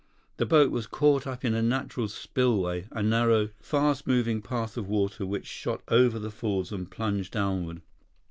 The boat was caught up in a natural spillway, a narrow, fast moving path of water which shot over the falls and plunged downward.